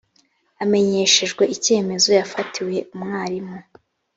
amenyeshejwe icyemezo yafatiwe umwarimu